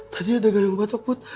tadi ada gayung patok put